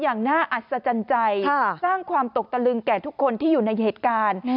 อย่างน่าอัศจรรย์ใจสร้างความตกตะลึงแก่ทุกคนที่อยู่ในเหตุการณ์